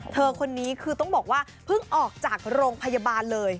เธอคนนี้คือต้องบอกว่าเพิ่งออกจากโรงพยาบาลเลย